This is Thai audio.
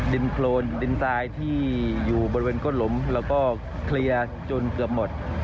โครนดินทรายที่อยู่บริเวณก้นหลุมแล้วก็เคลียร์จนเกือบหมด